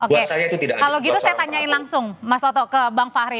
kalau gitu saya tanyain langsung mas toto ke bang fahri